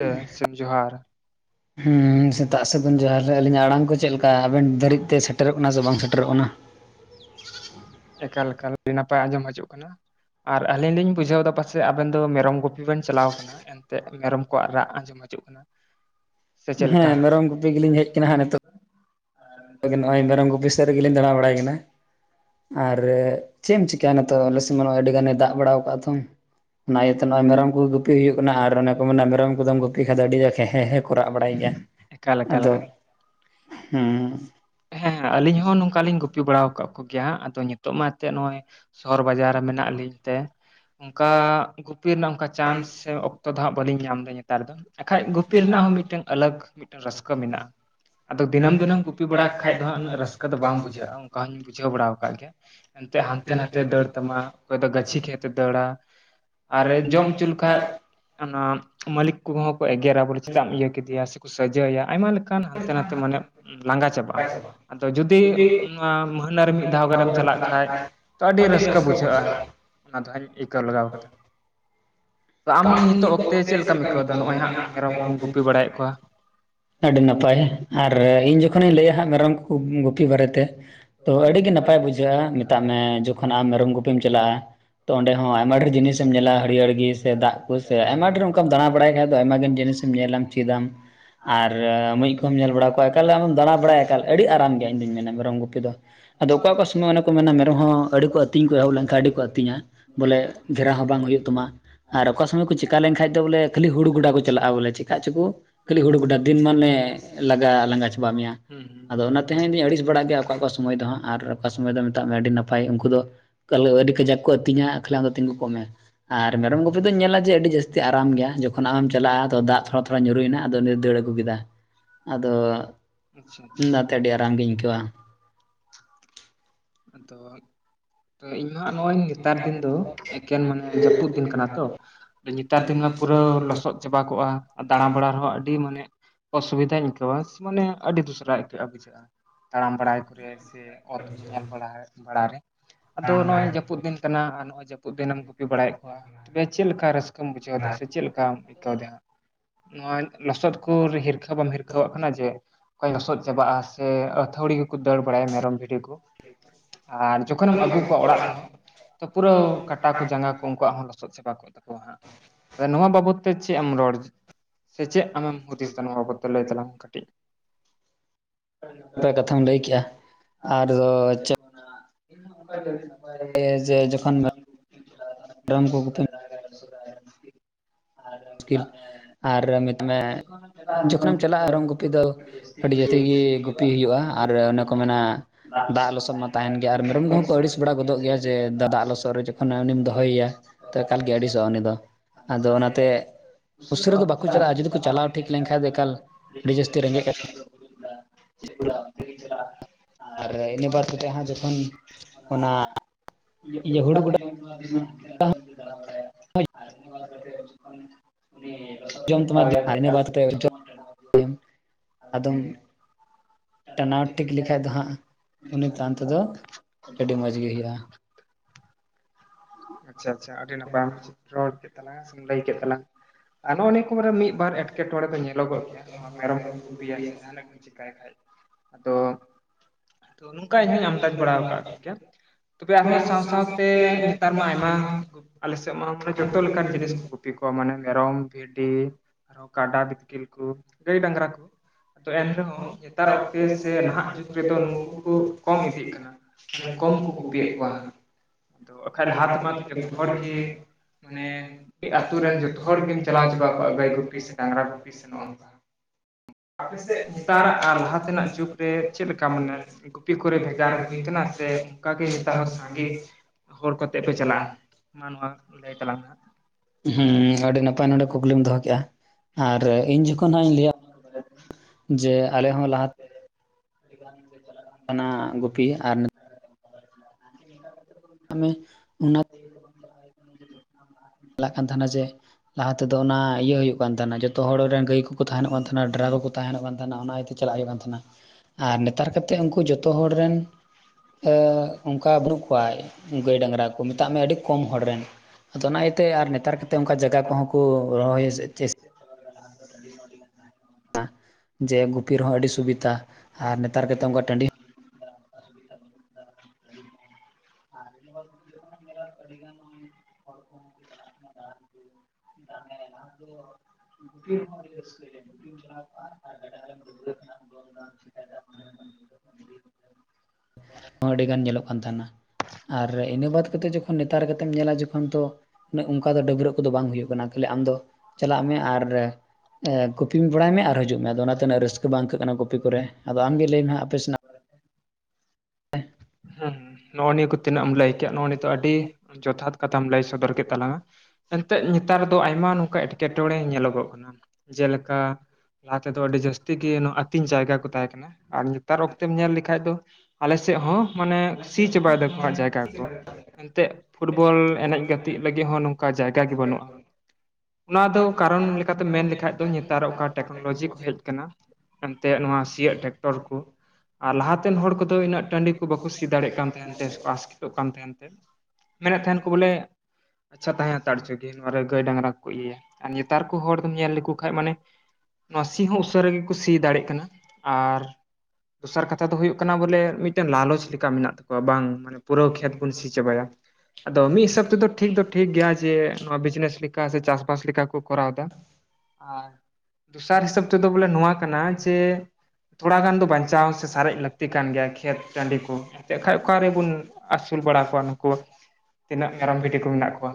[inaudible] ᱥᱮᱢ ᱡᱚᱦᱟᱨ ᱥᱮᱛᱟᱜ ᱥᱟᱹᱜᱩᱱ ᱡᱚᱦᱟᱨ ᱨᱮ ᱟᱹᱞᱤᱧᱟᱜ ᱟᱲᱟᱝ ᱠᱚ ᱪᱮᱫ ᱞᱮᱠᱟ ᱟᱵᱮᱱ ᱫᱷᱟᱹᱨᱤᱡ ᱛᱮ ᱥᱮᱴᱮᱨᱚᱜ ᱠᱟᱱᱟ ᱥᱮ ᱵᱟᱝ ᱥᱮᱴᱮᱨᱚᱜ ᱠᱟᱱᱟ? ᱮᱠᱟᱞ ᱮᱠᱟᱞ ᱟ. ᱰᱤ ᱱᱟᱯᱟᱭ ᱟᱸᱡᱚᱢ ᱦᱤᱡᱩᱜ ᱠᱟᱱᱟ᱾ ᱟᱨ ᱟᱞᱤᱧ ᱞᱤᱧ ᱵᱩᱡᱷᱟᱹᱣ ᱮᱫᱟ ᱯᱟᱪᱮᱜ ᱟᱵᱮᱱ ᱫᱚ ᱢᱮᱨᱚᱢ ᱜᱩᱯᱤ ᱵᱮᱱ ᱪᱟᱞᱟᱣ ᱟᱠᱟᱱᱟ᱾ ᱮᱱᱛᱮᱫ ᱢᱮᱨᱚᱢ ᱠᱚᱣᱟᱜ ᱨᱟᱜ ᱟᱸᱡᱚᱢ ᱦᱤᱡᱩᱜ ᱠᱟᱱᱟ᱾ ᱥᱮ ᱪᱮᱫ ᱞᱮᱠᱟ ᱦᱮᱸ ᱢᱮᱨᱚᱢ ᱜᱩᱯᱤ ᱜᱮᱞᱤᱧ ᱦᱮᱡ ᱠᱟᱱᱟ ᱱᱤᱛᱚᱜ᱾ ᱱᱚᱜᱼᱚᱭ ᱢᱮᱨᱚᱢ ᱜᱩᱯᱤ ᱥᱮᱡ ᱨᱮᱜᱮᱞᱤᱧ ᱫᱟᱬᱟ ᱵᱟᱲᱟᱭ ᱠᱟᱱᱟ᱾ ᱟᱨ ᱪᱮᱫ ᱮᱢ ᱪᱤᱠᱟᱭᱟ ᱱᱤᱛᱚᱜ ᱟᱞᱮᱥᱮᱫ ᱢᱟ ᱱᱚᱜ ᱟᱹᱰᱤ ᱜᱟᱱᱮ ᱫᱟᱜ ᱵᱟᱲᱟ ᱟᱠᱟᱫᱼᱟ ᱛᱚ ᱚᱱᱟ ᱤᱭᱟᱹᱛᱮ ᱱᱚᱜᱼᱚᱭ ᱢᱮᱨᱚᱢ ᱠᱚᱜᱮ ᱜᱩᱤ ᱦᱩᱭᱩᱜ ᱠᱟᱱᱟ ᱟᱨ ᱚᱱᱮ ᱠᱚ ᱢᱮᱱᱟ ᱢᱮᱨᱚᱢ ᱠᱚᱫᱚᱢ ᱜᱩᱯᱤ ᱫᱚ ᱟᱹᱰᱤ ᱡᱟ ᱦᱮ ᱦᱮᱸ ᱠᱚ ᱨᱟᱜ ᱵᱟᱲᱟᱭ ᱜᱮᱭᱟ᱾ ᱮᱠᱟᱞ ᱮᱠᱟᱞ ᱟᱫᱚ ᱮᱠᱟᱞ ᱦᱮᱸ ᱦᱮᱸ ᱟᱞᱤᱧ ᱦᱚᱸ ᱱᱚᱝᱠᱟᱞᱤᱧ ᱜᱩᱯᱤ ᱵᱟᱲᱟ ᱟᱠᱟᱫ ᱠᱚᱜᱮᱭᱟ ᱟᱫᱚ ᱱᱤᱛᱚᱜ ᱢᱟ ᱮᱱᱛᱮᱜ ᱱᱚᱜᱼᱚᱭ ᱥᱚᱦᱚᱨ ᱵᱟᱡᱟᱨ ᱨᱮ ᱢᱮᱱᱟᱜ ᱞᱤᱧ ᱛᱮ ᱚᱱᱠᱟ ᱜᱩᱯᱤ ᱨᱮᱱᱟᱜ ᱚᱱᱠᱟ ᱪᱟᱱᱥ ᱥᱮ ᱚᱠᱛᱚ ᱫᱚ ᱦᱟᱸᱟᱜ ᱵᱟᱹᱞᱤᱧ ᱧᱟᱢ ᱮᱫᱟ ᱱᱮᱛᱟᱨ ᱫᱚ ᱟᱠᱷᱟᱡ ᱜᱩᱯᱤ ᱨᱮᱱᱟᱜ ᱦᱚᱸ ᱢᱤᱫᱴᱟᱝ ᱟᱞᱟᱜᱽ ᱢᱤᱫᱴᱟᱝ ᱨᱟᱹᱥᱠᱟᱹ ᱢᱮᱱᱟᱜᱼᱟ᱾ ᱟᱫᱚ ᱫᱤᱱᱟᱹᱢ ᱫᱤᱱᱟᱹᱢ ᱜᱩᱯᱤ ᱵᱟᱲᱟ ᱠᱷᱟᱡ ᱫᱚ ᱦᱟᱜ ᱨᱟᱹᱥᱠᱟᱹ ᱫᱚ ᱵᱟ ᱵᱟᱝ ᱵᱩᱡᱷᱟᱹᱜᱼᱟ ᱚᱱᱠᱟ ᱦᱚᱧ ᱵᱩᱡᱷᱟᱹᱣ ᱵᱟᱲᱟ ᱠᱟᱜ ᱜᱮᱭᱟ ᱮᱱᱛᱮᱜ ᱦᱟᱱᱛᱮ ᱱᱟᱛᱮ ᱫᱟᱹᱲ ᱛᱟᱢᱟ ᱚᱠᱚᱭ ᱫᱚ ᱜᱟᱹᱪᱷᱤ ᱠᱷᱮᱛᱛᱮ ᱫᱟᱹᱲᱟ ᱟᱨᱮ ᱡᱚᱢ ᱦᱚᱪᱚ ᱞᱮᱠᱷᱟᱡ ᱚᱱᱟ ᱢᱟᱹᱞᱤᱠ ᱠᱚᱦᱚᱸ ᱠᱚ ᱮᱜᱮᱨᱟ ᱵᱚᱞᱮ ᱪᱮᱫᱟᱜ ᱮᱢ ᱤᱭᱟᱹ ᱠᱮᱫᱮᱭᱟ ᱥᱮᱠᱚ ᱥᱟᱡᱟᱹᱭᱟ ᱟᱭᱢᱟ ᱞᱮᱠᱟ ᱠᱷᱟᱱ ᱦᱟᱱᱛᱮ ᱱᱟᱛᱮ ᱢᱟᱱᱮ ᱞᱟᱸᱜᱟ ᱪᱟᱵᱟᱜᱼᱟᱢ ᱟᱫᱚ ᱡᱩᱫᱤ ᱩᱦᱼᱟᱸ [unintelligible] ᱢᱟᱦᱱᱟᱹ ᱨᱮ ᱢᱤᱫ ᱫᱷᱟᱣ ᱜᱟᱱᱮᱢ ᱪᱟᱞᱟᱜ ᱠᱷᱟᱡᱽ ᱛᱚ ᱟᱹᱰᱤ ᱨᱟᱹᱥᱠᱟᱹ ᱵᱩᱡᱷᱟᱹᱜᱼᱟ ᱚᱱᱟ ᱫᱚ ᱦᱟᱧ ᱟᱹᱭᱠᱟᱹᱣ ᱞᱮᱜᱟᱣ ᱠᱟᱫᱟ᱾ ᱛᱚ ᱟᱢ ᱱᱤᱛᱚᱜ ᱚᱠᱛᱮ ᱪᱮᱫ ᱞᱮᱠᱟᱢ ᱟ. ᱭᱠᱟᱹᱣᱫᱟ ᱱᱚᱜᱼᱚᱭ ᱦᱟᱜ ᱢᱮᱨᱚᱢ ᱠᱚᱢ ᱜᱩᱯᱤ ᱵᱟᱲᱟᱭᱮᱫ ᱠᱚᱣᱟ? ᱟᱹᱰᱤ ᱱᱟᱯᱟᱭ ᱟᱨ ᱤᱧ ᱡᱚᱠᱷᱚᱱᱤᱧ ᱞᱟᱹᱭᱟ ᱦᱟᱸᱜ ᱢᱮᱨᱚᱢ ᱠᱚ ᱜᱩᱯᱤ ᱵᱟᱨᱮᱛᱮ ᱛᱚ ᱟᱹᱰᱤᱜᱮ ᱱᱟᱯᱟᱭ ᱵᱩᱡᱷᱟᱹᱜᱼᱟ ᱢᱮᱛᱟᱜ ᱢᱮ ᱡᱚᱠᱷᱚᱱ ᱟᱢ ᱢᱮᱨᱚᱢ ᱜᱩᱯᱤᱢ ᱪᱟᱞᱟᱜᱼᱟ ᱛᱚ ᱚᱸᱰᱮ ᱦᱚᱸ ᱟᱭᱢᱟ ᱰᱷᱮᱨ ᱡᱤᱱᱤᱥᱮᱢ ᱧᱮᱞᱟ ᱦᱟᱹᱨᱭᱟᱹᱲ ᱜᱮ ᱥᱮ ᱫᱟᱜ ᱠᱚ ᱥᱮ ᱟᱭᱢᱟ ᱰᱷᱮᱨ ᱚᱱᱠᱟᱢ ᱫᱟᱬᱟ ᱵᱟᱲᱟᱭ ᱠᱷᱟᱡ ᱫᱚ ᱟᱭᱢᱟ ᱜᱟᱱ ᱡᱤᱱᱤᱥ ᱮᱢ ᱧᱮᱞᱟᱢ ᱪᱮᱫᱟᱢ ᱟ [unintelligible] ᱢᱩᱡᱽ ᱠᱚᱦᱚᱢ ᱧᱮᱞ ᱵᱟᱲᱟ ᱠᱚᱣᱟ ᱮᱠᱟᱞᱮ ᱟᱢᱮᱢ ᱫᱟ ᱵᱟᱲᱟᱭᱟ ᱮᱠᱟᱞ ᱟᱹᱰᱤ ᱟᱨᱟᱢ ᱜᱮᱭᱟ ᱤᱧᱤᱧ ᱢᱮᱱᱟ ᱢᱮᱨᱚᱢ ᱜᱩᱯᱤ ᱫᱚ ᱟᱫᱚ ᱚᱠᱟ ᱚᱠᱟ ᱥᱚᱢᱚᱭ ᱚᱱᱮ ᱠᱚ ᱢᱮᱱᱟ ᱢᱮᱨᱚᱢ ᱦᱚᱸ ᱟᱹᱰᱤ ᱠᱚ ᱟᱹᱛᱤᱧ ᱠᱚ ᱮᱦᱚᱵ ᱞᱮᱱᱠᱷᱟᱱ ᱟᱹᱰᱤ ᱠᱚ ᱟᱹᱛᱤᱧᱟ ᱵᱚᱞᱮ ᱜᱷᱮᱨᱟ ᱦᱚᱸ ᱵᱟᱝ ᱦᱩᱭᱩᱜ ᱛᱟᱢᱟ ᱟᱨ ᱚᱠᱟ ᱥᱚᱢᱚᱭ ᱠᱚ ᱪᱤᱠᱟ ᱞᱮᱱᱠᱷᱟᱱ ᱫᱚ ᱵᱚᱞᱮ ᱠᱷᱟᱹᱞᱤ ᱦᱩᱲᱩ ᱜᱚᱰᱟ ᱠᱚ ᱪᱟᱞᱟᱜᱼᱟ ᱵᱚᱞᱮ ᱪᱮᱠᱟᱜ ᱪᱚᱠᱚ ᱠᱷᱟᱹᱞᱤ ᱦᱩᱲᱩ ᱜᱚᱴᱟ ᱫᱤᱱ ᱢᱟᱱᱮ ᱞᱟᱜᱟ ᱞᱟᱸᱜᱟ ᱪᱟᱵᱟ ᱢᱮᱭᱟ ᱦᱩᱸ ᱟᱫᱚ ᱦᱩᱸ ᱚᱱᱟᱛᱮᱦᱚᱸ ᱤᱧᱫᱩᱧ ᱟᱹᱲᱤᱥ ᱵᱟᱲᱟᱜ ᱜᱮᱭᱟ ᱚᱠᱟ ᱚᱠᱟ ᱥᱚᱢᱚᱭ ᱫᱚ ᱦᱟᱸᱜ ᱟᱨ ᱚᱠᱟ ᱥᱚᱢᱚᱭ ᱫᱚ ᱢᱮᱛᱟᱜ ᱢᱮ ᱟᱹᱰᱤ ᱱᱟᱯᱟᱭ ᱩᱱᱠᱩ ᱫᱚ [unintelligible] ᱟᱹᱰᱤ ᱠᱟᱡᱟᱠ ᱠᱚ ᱟᱹᱛᱤᱧᱟ ᱠᱷᱟᱞᱤ ᱟᱢ ᱫᱚ ᱛᱤᱸᱜᱩ ᱠᱚᱜ ᱢᱮ ᱟᱨ ᱢᱮᱨᱚᱢ [unintelligible] [unintelligible] ᱫᱚᱧ ᱧᱮᱞᱟ ᱡᱮ ᱟᱹᱰᱤ ᱡᱟᱹᱥᱛᱤ ᱟᱨᱟᱢ ᱜᱮᱭᱟ ᱡᱚᱠᱷᱚᱱ ᱟᱢᱮᱢ ᱪᱟᱞᱟᱜᱼᱟ ᱛᱚ ᱫᱟᱜ ᱛᱷᱚᱲᱟ ᱛᱷᱚᱲᱟ ᱧᱩᱨᱩᱭᱮᱱᱟ ᱟᱫᱚ ᱩᱱᱤ ᱫᱟᱹᱲ ᱟᱹᱜᱩ ᱠᱮᱫᱟ ᱟᱫᱚ ᱟᱪᱪᱷᱟ ᱟᱪᱪᱷᱟ ᱚᱱᱟᱛᱮ ᱟᱹᱰᱤ ᱟᱨᱟᱢ ᱜᱤᱧ ᱟᱹᱭᱠᱟᱹᱣᱟ ᱟᱫᱚ [unintelligible] ᱤᱧ ᱢᱟ ᱱᱚᱦᱚᱭ ᱱᱮᱛᱟᱨ ᱫᱤᱱ ᱫᱚ ᱮᱠᱮᱱ ᱢᱟᱱᱮ ᱡᱟᱹᱯᱩᱫ ᱫᱤᱱ ᱠᱟᱱᱟ ᱛᱚ ᱱᱮᱛᱟᱨ ᱫᱤᱱ ᱢᱟ ᱯᱩᱨᱟᱹ ᱞᱚᱥᱚᱫ ᱪᱟᱵᱟ ᱠᱚᱜᱼᱟ ᱫᱟᱬᱟᱵᱟᱲᱟ ᱨᱮᱦᱚᱸ ᱟᱹᱰᱤ ᱢᱟᱱᱮ ᱚᱥᱩᱵᱤᱫᱟᱧ ᱟᱹᱭᱠᱟᱹᱣᱟ ᱢᱟᱱᱮ ᱟᱹᱰᱤ ᱫᱚᱥᱨᱟ ᱟᱭᱠᱟᱹᱜᱼᱟ ᱵᱩᱡᱷᱟᱹᱜᱼᱟ ᱛᱟᱲᱟᱢ ᱵᱟᱲᱟᱭ ᱠᱚᱨᱮ ᱥᱮ ᱚᱛ ᱠᱚ ᱧᱮᱞ ᱵᱟ ᱵᱟᱲᱟᱨᱮ ᱟᱫᱚ ᱱᱚᱜ ᱚᱭ ᱡᱟᱹᱯᱩᱫ ᱫᱤᱱ ᱠᱟᱱᱟ ᱱᱚᱜᱚᱭ ᱡᱟᱹᱯᱩᱫ ᱫᱮ ᱮᱢ ᱜᱩᱯᱤ ᱵᱟᱲᱟᱭᱮᱫ ᱠᱚᱣᱟ ᱛᱚᱵᱮ ᱪᱮᱫ ᱞᱮᱠᱟ ᱨᱟᱥᱠᱟᱹᱢ ᱵᱩᱡᱷᱟᱹᱣ ᱮᱫᱟ ᱥᱮ ᱪᱮᱫ ᱞᱮᱠᱟᱢ ᱟᱭᱠᱟᱣ ᱮᱫᱟ? ᱱᱚᱣᱟ ᱞᱚᱥᱚᱫ ᱠᱚ ᱦᱤᱨᱠᱷᱟᱹᱣ ᱵᱟᱢ ᱦᱤᱨᱠᱷᱟᱹᱣᱟᱜ ᱠᱟᱱᱟ ᱡᱮᱼ ᱚᱠᱚᱭ ᱞᱚᱥᱚᱫ ᱪᱟᱵᱟᱜᱼᱟ ᱥᱮ ᱟᱹᱛᱷᱟᱹᱣᱲᱤ ᱜᱮᱠᱚ ᱫᱟᱹᱲ ᱵᱟᱲᱟᱭᱟ ᱢᱮᱨᱚᱢ ᱵᱷᱤᱰᱤ ᱠᱚ ᱟᱨ ᱡᱚᱠᱷᱚᱱᱮᱢ ᱟᱹᱜᱩ ᱠᱚᱣᱟ ᱚᱲᱟᱜ ᱛᱮᱦᱚᱸ ᱛᱚ ᱯᱩᱨᱟᱹ ᱠᱟᱴᱟ ᱠᱚ ᱡᱟᱸᱜᱟ ᱠᱚ ᱩᱱᱠᱩᱣᱟᱜ ᱦᱚᱸ ᱞᱚᱥᱚᱫ ᱪᱟᱵᱟᱠᱚᱜ ᱛᱟᱠᱚᱣᱟ ᱦᱟᱸᱜ ᱱᱚᱣᱟ ᱵᱟᱵᱚᱛ ᱛᱮ ᱪᱮᱫ ᱮᱢ ᱨᱚᱲ ᱥᱮᱪᱮᱫ ᱟᱢᱮᱢ ᱦᱩᱫᱤᱥ ᱮᱫᱟ ᱱᱚᱣᱟ ᱵᱟᱵᱚᱛ ᱛᱮ ᱞᱟᱭ ᱛᱟᱞᱟᱝ ᱢᱮ ᱠᱟᱹᱴᱤᱡ [unintelligible] ᱠᱟᱛᱷᱟᱢ ᱞᱟᱹᱭ ᱠᱮᱜᱼᱟ ᱟᱨ ᱫᱚ ᱪᱮᱫ [inaudible] [inaudible] ᱮᱸ ᱡᱮᱸ ᱡᱚᱠᱷᱚᱱ ᱢᱮᱨᱚᱢ [inaudible] ᱠᱚᱢ ᱜᱩᱯᱤᱢ [inaudible] ᱢᱩᱥᱠᱤᱞ ᱟᱨ [unintelligible] ᱢᱮ ᱡᱚᱠᱷᱚᱱᱮᱢ ᱪᱟᱞᱟᱜᱼᱟ ᱢᱮᱨᱚᱢ ᱜᱩᱯᱤ ᱫᱚ ᱟᱹᱰᱤ ᱡᱟᱹᱥᱛᱤ ᱜᱮ ᱜᱩᱯᱤ ᱦᱩᱭᱩᱜᱼᱟ ᱟᱨ ᱚᱱᱮ ᱠᱚ ᱢᱮᱱᱟ ᱫᱟᱜ [unintelligible] ᱞᱚᱥᱚᱫ ᱢᱟ ᱛᱟᱦᱮᱱ ᱜᱮᱭᱟ ᱟᱨ ᱢᱮᱨᱚᱢ ᱠᱚᱦᱚᱸ ᱠᱚ ᱟᱹᱲᱤᱥ ᱵᱟᱲᱟ ᱜᱚᱫᱚᱜ ᱜᱮᱭᱟ ᱡᱮ ᱫᱟᱜ ᱞᱚᱥᱚᱫ ᱨᱮ ᱡᱚᱠᱷᱚᱱ ᱩᱱᱤᱢ ᱫᱚᱦᱚᱭᱮᱭᱟ ᱛᱚ ᱮᱠᱟᱞᱜᱮ ᱟᱹᱲᱤᱥᱚᱜᱼᱟ ᱩᱱᱤ ᱫᱚ ᱟᱫᱚ ᱚᱱᱟᱛᱮ ᱩᱥᱟᱹᱨᱟ ᱫᱚ ᱵᱟᱵᱚᱱ ᱵᱟᱠᱚ ᱪᱟᱞᱟᱜ-ᱟ ᱪᱟᱞᱟᱜᱼᱟ ᱢᱤᱫᱚᱢ ᱠᱩ ᱡᱩᱫᱤ ᱠᱚ ᱪᱟᱞᱟᱣ ᱴᱷᱤᱠ ᱞᱮᱱᱠᱷᱟᱱ ᱜᱮ ᱫᱚ ᱮᱠᱟᱞ ᱟᱹᱰᱤ ᱡᱟᱹᱥᱛᱤ ᱨᱮᱸᱜᱮᱡ [unintelligible] ᱪᱮᱫ ᱜᱚᱰᱟ ᱚᱱᱛᱮ ᱜᱤᱧ ᱪᱟᱞᱟᱜ-ᱟ ᱟᱨ ᱤᱱᱟᱹ ᱵᱟᱫ ᱠᱟᱛᱮ ᱦᱚᱸ ᱡᱚᱠᱷᱚᱱ ᱚᱱᱟ ᱤᱭᱟᱹ ᱫᱩᱲᱩᱵ ᱜᱚᱰᱟ ᱨᱮᱱᱟᱜ ᱡᱚᱢ ᱪᱟᱵᱟ ᱤᱫᱤᱭᱟ ᱛᱚᱵᱮ ᱴᱷᱤᱠᱟᱹᱜ-ᱟ ᱢᱚᱡ ᱜᱮ ᱫᱟᱬᱟ ᱵᱟᱲᱟᱭᱟ ᱟᱨ ᱤᱱᱠᱟᱹ ᱵᱟᱲᱟ ᱠᱟᱛᱮ [unintelligible] ᱩᱱᱤ ᱡᱚᱢ ᱛᱟᱢᱟ ᱟᱨ ᱤᱱᱟᱹ ᱵᱟᱫ ᱠᱟᱛᱮᱫ ᱟᱫᱚᱢ [unintelligible] ᱴᱟᱱᱟᱣ ᱴᱤᱠ ᱞᱮᱠᱷᱟᱡ ᱫᱚ ᱦᱟᱸᱜ ᱩᱱᱤ ᱛᱟᱱ ᱛᱮᱫᱚ ᱟᱹᱰᱤ ᱢᱚᱡᱽ ᱜᱮ ᱦᱩᱭᱩᱜ-ᱟ ᱟᱪᱪᱷᱟ ᱟᱪᱪᱷᱟ ᱟᱹᱰᱤ ᱱᱟᱯᱟᱭ ᱨᱚᱲ ᱠᱮᱫ ᱛᱟᱞᱟᱝ ᱥᱮᱢ ᱞᱟᱹᱭ ᱠᱮᱫ ᱛᱟᱞᱟᱝ ᱟᱨ ᱦᱚ ᱩᱱᱤ ᱮᱵᱟᱨᱮ ᱢᱤᱫᱵᱟᱨ ᱮᱴᱠᱮᱴᱚᱬᱮ ᱫᱚ ᱧᱮᱞᱚᱜᱚᱜ ᱜᱮᱭᱟ ᱱᱚᱣᱟ ᱢᱮᱨᱚᱢ ᱠᱚ ᱜᱩᱯᱤᱭᱟ ᱥᱮ ᱡᱟᱦᱟᱱᱟᱜ ᱠᱩᱢ ᱪᱤᱠᱟᱭ᱾ ᱠᱷᱟᱡ ᱟᱫᱚ ᱱᱚᱝᱠᱟ ᱤᱧ ᱦᱚᱧ ᱟᱢᱫᱟᱡᱽ ᱵᱟᱲᱟᱣ ᱠᱟᱜ ᱠᱩᱜᱮᱭᱟ ᱛᱚᱵᱮ ᱟᱨᱦᱚᱸ ᱥᱟᱶ ᱥᱟᱶᱛᱮ ᱱᱮᱛᱟᱨ ᱢᱟ ᱟᱭᱢᱟ ᱟᱞᱮᱥᱮᱫ ᱢᱟ ᱡᱚᱛᱚ ᱞᱮᱠᱟᱱ ᱡᱤᱱᱤᱥ ᱠᱚ ᱜᱩᱯᱤ ᱠᱚ ᱢᱟᱱᱮ ᱢᱮᱨᱚᱢ ᱵᱷᱤᱰᱤ ᱟᱨ ᱠᱟᱰᱟ ᱵᱤᱛᱠᱤᱞ ᱠᱩ ᱜᱟᱹᱭ ᱰᱟᱝᱨᱟ ᱠᱩ᱾ ᱟᱫᱚ ᱮᱱᱨᱮᱦᱚᱸ ᱱᱮᱛᱟᱨ ᱚᱠᱛᱮ ᱥᱮ ᱱᱟᱦᱟᱜ ᱡᱩᱜ ᱨᱮᱫᱚ ᱱᱩᱠᱩᱠᱩ ᱠᱚᱢ ᱤᱫᱤᱜ ᱠᱟᱱᱟ ᱢᱟᱱᱮ ᱠᱚᱢ ᱠᱩ ᱜᱩᱯᱤᱭᱮᱫ ᱠᱚᱣᱟ ᱦᱟᱸᱜ ᱟᱫᱚ ᱵᱟᱠᱷᱟᱡ ᱞᱟᱦᱟ ᱛᱮᱢᱟ ᱡᱚᱛᱚ ᱦᱚᱲᱜᱤ ᱢᱟᱱᱮ ᱢᱤᱫ ᱟᱹᱛᱩ ᱨᱮᱱ ᱡᱚᱛᱚ ᱦᱚᱲ ᱜᱮᱢ ᱪᱟᱞᱟᱣ ᱪᱟᱵᱟ ᱠᱚᱜᱼᱟ ᱜᱟᱹᱭ ᱜᱩᱯᱤ ᱥᱮ ᱰᱟᱝᱨᱟ ᱜᱩᱯᱤ ᱥᱮ ᱱᱚᱜᱚᱭ ᱱᱮᱛᱟᱨᱟᱜ ᱟᱨ ᱞᱟᱦᱟ ᱛᱮᱱᱟᱜ ᱡᱩᱜᱽ ᱨᱮ ᱪᱮᱫ ᱞᱮᱠᱟ ᱢᱟᱱᱮ ᱜᱩᱯᱤ ᱠᱚᱨᱮ ᱵᱷᱮᱜᱟᱨ ᱦᱩᱭ ᱠᱟᱱᱟ ᱥᱮ ᱩᱢ ᱚᱱᱠᱟᱜᱮ ᱱᱮᱛᱟᱨ ᱦᱚᱸ ᱥᱟᱸᱜᱮ ᱦᱚᱲ ᱠᱚᱛᱮᱜ ᱯᱮ ᱪᱟᱞᱟᱜ-ᱟ ᱢᱟ ᱱᱚᱣᱟ ᱞᱟᱹᱭ ᱛᱟᱞᱟᱝ ᱢᱮ ᱦᱟᱸᱜ ᱦᱮᱸ ᱟᱹᱰᱤ ᱱᱟᱯᱟᱭ ᱱᱚᱰᱮ ᱠᱩᱠᱞᱤᱢ ᱫᱚᱦᱚ ᱠᱮᱜᱼᱟ ᱟᱨ ᱤᱧ ᱡᱚᱠᱷᱚᱱ ᱦᱟᱸᱜ ᱤᱧ ᱞᱟᱹᱭᱟ ᱡᱮ ᱟᱞᱮ ᱠᱷᱚᱱᱟᱜ ᱥᱮ ᱟᱹᱰᱤ ᱜᱟᱱ ᱜᱮ ᱪᱟᱞᱟᱜ-ᱟ ᱚᱱᱟ ᱜᱩᱯᱤ ᱟᱨ ᱱᱤᱛ ᱟᱢᱮ [unintelligible] ᱞᱟᱜ ᱠᱷᱟᱱ ᱫᱷᱟᱱᱚ ᱡᱮ ᱞᱟᱦᱟ ᱛᱮᱫᱚ ᱚᱱᱟ ᱤᱭᱟᱹ ᱦᱩᱭᱩᱜ ᱠᱟᱱ ᱛᱟᱦᱮᱱᱟ ᱡᱚᱛᱚ ᱦᱚᱲ ᱨᱤᱱ ᱜᱟᱹᱭ ᱠᱩᱠᱩ ᱛᱟᱦᱮᱱᱚᱜ ᱠᱟᱱ ᱛᱟᱦᱮᱱᱟ ᱰᱨᱟ ᱠᱩᱠᱩ ᱛᱟᱦᱮᱱᱚᱜ ᱠᱟᱱ ᱛᱟᱦᱮᱱᱟ ᱚᱱᱟ ᱤᱭᱟᱹᱛᱮ ᱪᱟᱞᱟᱜ ᱦᱩᱭᱩᱜ ᱠᱟᱱ ᱛᱟᱦᱮᱱᱟ ᱦ ᱟᱨ ᱱᱮᱛᱟᱨ ᱠᱟᱛᱮᱜ ᱩᱝᱠᱩ ᱡᱚᱛᱚ ᱦᱚᱲ ᱨᱤᱱ ᱟᱨ ᱩᱝᱠᱟ ᱵᱟᱹᱱᱩᱜ ᱠᱩᱣᱟᱭ ᱜᱟᱹᱭ ᱰᱟᱝᱜᱨᱟ ᱠᱩ ᱢᱮᱛᱟᱜ ᱢᱮ ᱟᱹᱰᱤ ᱠᱚᱢ ᱦᱚᱲ ᱨᱤᱱ ᱟᱫᱚ ᱚᱱᱟ ᱤᱭᱟᱹ ᱦᱮ ᱟᱨ ᱱᱮᱛᱟᱨ ᱠᱟᱛᱮ ᱚᱱᱠᱟ ᱡᱟᱭᱜᱟ ᱠᱚᱦᱚᱸ ᱠᱩ ᱨᱚᱦᱚᱭ ᱮᱥᱮᱫ ᱪᱮᱥ [inaudible] ᱡᱮ ᱜᱩᱯᱤ ᱨᱮᱦᱚᱸ ᱟᱹᱰᱤ ᱥᱩᱵᱤᱫᱷᱟ ᱟᱨ ᱱᱮᱛᱟᱨ ᱠᱟᱛᱮ ᱚᱱᱠᱟ ᱴᱟᱺᱰᱤ [inaudible] ᱟᱨ ᱤᱱᱤᱵᱷᱟᱨᱥᱤᱴᱤ ᱨᱮᱦᱚᱸᱭ ᱧᱮᱞᱟ ᱟᱹᱰᱤ ᱜᱟᱱ ᱦᱚᱲ ᱠᱩᱦᱚᱸ ᱠᱩ ᱪᱟᱞᱟᱣ ᱠᱟᱱᱟ ᱛᱟᱸᱦᱮᱱ ᱞᱟᱦᱟ ᱛᱮᱫᱚ ᱜᱩᱯᱤ ᱦᱚᱸ ᱟᱹᱰᱤ ᱨᱟᱹᱥᱠᱟᱹ ᱡᱮ ᱜᱩᱯᱤᱧ ᱪᱟᱞᱟᱣ ᱠᱚᱜ-ᱟ ᱵᱟᱰᱟ ᱟᱲᱤᱢ ᱰᱟᱹᱵᱨᱟᱹᱜ ᱠᱟᱱᱟᱢ ᱜᱚᱢ ᱫᱟᱢ ᱪᱤᱠᱟᱹᱭ ᱫᱟᱢ [inaudible] ᱟᱹᱰᱤᱜᱟᱱ ᱧᱮᱞᱚᱜ ᱠᱟᱱ ᱛᱟᱦᱮᱱᱟ ᱟᱨ ᱤᱱᱟᱹ ᱵᱟᱫ ᱠᱟᱛᱮᱫ ᱡᱚᱠᱷᱚᱱ ᱱᱮᱛᱟᱨ ᱠᱟᱛᱮᱢ ᱧᱮᱞᱟ ᱡᱚᱠᱷᱚᱱ ᱛᱚ ᱩᱱᱟ. ᱜ ᱚᱱᱠᱟ ᱫᱚ ᱰᱟᱹᱵᱽᱨᱟᱹ ᱠᱚᱫᱚ ᱵᱟᱝ ᱦᱩᱭᱩᱜ ᱠᱟᱱᱟ ᱠᱷᱟ. ᱞᱤ ᱟᱢᱫᱚ ᱪᱟᱞᱟᱜ ᱢᱮ ᱟᱨ ᱮ ᱠᱚᱯᱤᱝ ᱵᱟᱲᱟᱭ ᱢᱮ ᱟᱨ ᱦᱤᱡᱩᱜ ᱢᱮ ᱟᱫᱚ ᱚᱱᱟ ᱛᱮ ᱩᱱᱟᱹᱜ ᱨᱟᱹᱥᱠᱟᱹ ᱵᱟᱝ ᱟᱹᱭᱠᱟᱹᱜ ᱠᱟᱱᱟ ᱜᱩᱯᱤ ᱠᱚᱨᱮ ᱟᱫᱚ ᱟᱢ ᱜᱮ ᱞᱟᱹᱭ ᱢᱮ ᱦᱟᱸᱜ ᱟᱯᱮ ᱥᱮᱱᱟᱜ ᱮ ᱦᱮᱸ ᱱᱚᱜᱼᱚ ᱱᱤᱭᱟᱹ ᱠᱚ ᱛᱤᱱᱟᱹᱜ ᱮᱢ ᱞᱟᱹᱭ ᱠᱮᱜᱼᱟ ᱱᱚᱜ-ᱚ ᱱᱤᱛᱚᱜ ᱟᱹᱰᱤ ᱡᱚᱛᱷᱟᱛ ᱠᱟᱛᱷᱟᱢ ᱞᱟᱹᱭ ᱥᱚᱫᱚᱨ ᱠᱮᱫ ᱛᱟᱞᱟᱝ ᱟ ᱮᱱᱛᱮᱜ ᱱᱮᱛᱟᱨ ᱫᱚ ᱟᱭᱢᱟ ᱱᱩᱝᱠᱟ ᱮᱸᱴᱠᱮᱴᱚᱬᱮ ᱧᱮᱞᱚᱜᱚᱜ ᱠᱟᱱᱟ ᱡᱮᱞᱮᱠᱟ ᱞᱟᱦᱟ ᱛᱮᱫᱚ ᱟᱹᱰᱤ ᱡᱟᱹᱥᱛᱤ ᱤᱭᱟᱹ ᱱᱚ ᱟᱹᱛᱤᱧ ᱡᱟᱭᱜᱟ ᱠᱩ ᱛᱟᱦᱮᱸ ᱠᱟᱱᱟ ᱟᱨ ᱱᱮᱛᱟᱨ ᱚᱠᱛᱮᱢ ᱧᱮᱞ ᱞᱮᱠᱷᱟᱡ ᱫᱚ ᱟᱞᱮᱥᱮᱫ ᱦᱚᱸ ᱢᱟᱱᱮ ᱥᱤ ᱪᱟᱵᱟᱭ ᱫᱟ ᱠᱚ ᱦᱟᱜ ᱡᱟᱭᱜᱟ ᱠᱚ ᱮᱱᱛᱮᱜ ᱯᱷᱩᱴᱵᱚᱞ ᱮᱱᱮᱡ ᱜᱟᱛᱤᱜ ᱞᱟᱹᱜᱤᱫ ᱦᱚᱸ ᱱᱚᱝᱠᱟ ᱡᱟᱭᱜᱟ ᱜᱮ ᱵᱟᱹᱱᱩᱜ-ᱟ ᱚᱱᱟ ᱫᱚ ᱠᱟᱨᱚᱱ ᱞᱮᱠᱟᱛᱮ ᱢᱮᱱ ᱞᱮᱠᱷᱟᱡ ᱫᱚ ᱱᱮᱛᱟᱨ ᱚᱠᱟ ᱞᱚᱡᱤᱠ ᱠᱚ ᱦᱮᱡ ᱟᱠᱟᱱᱟ ᱮᱱᱛᱮ ᱱᱚᱶᱟ ᱥᱤᱭᱚᱜ ᱴᱮᱨᱮᱠᱴᱚᱨ ᱠᱩ ᱟᱨ ᱞᱟᱦᱟᱛᱮᱱ ᱦᱚᱲ ᱠᱚᱫᱚ ᱤᱱᱟᱹᱜ ᱴᱟᱺᱰᱤ ᱠᱚ ᱵᱟᱠᱚ ᱥᱤ ᱫᱟᱲᱮᱜ ᱠᱟᱱ ᱛᱟᱦᱮᱸᱱ ᱛᱮ ᱥᱮᱠᱚ ᱟᱥᱠᱤᱛᱚᱜ ᱠᱟᱱ ᱛᱟᱦᱮᱸᱱ ᱛᱮ ᱢᱮᱱᱮ ᱛᱮᱦᱮᱱ ᱠᱩ ᱵᱚᱞᱮ ᱟᱪ ᱪᱷᱟ ᱛᱟᱦᱮᱸ ᱦᱟᱛᱟᱲ ᱩᱪᱚᱜᱮ ᱱᱚᱭᱟ ᱨᱮ ᱜᱟᱹᱭ ᱰᱟᱝᱜᱨᱟ ᱠᱚ ᱤᱭᱟᱹᱭᱟ ᱟᱨ ᱱᱤᱛᱟᱨ ᱠᱚ ᱦᱚᱲ ᱫᱚᱢ ᱧᱮᱞ ᱞᱮᱠᱚ ᱠᱷᱟᱱ ᱢᱟᱱᱮ ᱱᱚᱣᱟ ᱥᱤ ᱦᱚᱸ ᱩᱥᱟᱹᱨᱟᱜᱮ ᱠᱚ ᱥᱤ ᱫᱟᱲᱮᱭᱟᱜ ᱠᱟᱱᱟ ᱟᱨ ᱫᱚᱥᱟᱨ ᱠᱟᱛᱷᱟ ᱫᱚ ᱦᱩᱭᱩᱜ ᱠᱟᱱᱟ ᱵᱚᱞᱮ ᱢᱤᱫ ᱢᱤᱫᱴᱮᱱ ᱞᱟᱞᱚᱪ ᱞᱮᱠᱟ ᱢᱮᱱᱟᱜ ᱛᱟᱠᱚᱣᱟ ᱵᱟᱝ ᱢᱟᱱᱮ ᱯᱩᱨᱟᱹᱣ ᱠᱷᱮᱛ ᱵᱚᱱ ᱥᱤ ᱪᱟᱵᱟᱭᱟ ᱟᱫᱚ ᱢᱤᱫ ᱥᱚᱯᱛᱟ ᱫᱚ ᱴᱷᱤᱠ ᱫᱚ ᱴᱷᱤᱠ ᱜᱮᱭᱟ ᱡᱮ ᱱᱚᱣᱟ ᱵᱤᱡᱽᱱᱮᱥ ᱠᱟ ᱥᱮ ᱪᱟᱥᱵᱟᱥ ᱞᱮᱠᱟ ᱠᱚ ᱠᱚᱨᱟᱣ ᱫᱟ ᱟᱨ ᱫᱚᱥᱟᱨ ᱦᱤᱥᱟᱹᱵ ᱛᱮᱫᱚ ᱵᱚᱞᱮ ᱱᱚᱣᱟ ᱠᱟᱱᱟ ᱡᱮ ᱛᱷᱚᱲᱟ ᱜᱟᱱ ᱫᱚ ᱵᱟᱧᱪᱟᱣ ᱥᱮ ᱥᱟᱨᱮᱡ ᱞᱟᱹᱠᱛᱤ ᱠᱟᱱ ᱜᱮᱭᱟ ᱠᱷᱮᱛ ᱴᱟᱺᱰᱤ ᱠᱚ ᱮᱱᱛᱮ ᱠᱷᱟᱡ ᱚᱠᱟ ᱨᱮᱵᱚᱱ ᱟᱹᱥᱩᱞ ᱵᱟᱲᱟ ᱠᱚᱣᱟ ᱱᱩᱠᱩ ᱛᱤᱱᱟᱹᱜ ᱢᱮᱨᱚᱢ ᱵᱷᱤᱰᱤ ᱠᱚ ᱢᱮᱱᱟᱜ ᱠᱚᱣᱟ